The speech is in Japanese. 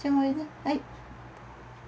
はい。